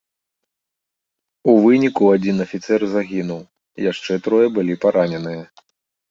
У выніку адзін афіцэр загінуў, яшчэ трое былі параненыя.